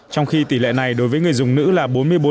trong khi tỷ lệ này đối với người dùng nữ là bốn mươi bốn